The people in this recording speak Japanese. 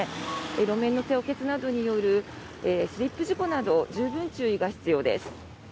路面の凍結などによるスリップ事故などに十分注意が必要です。